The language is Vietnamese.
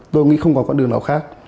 tôi nghĩ không có con đường nào khác